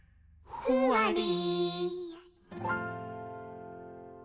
「ふわり」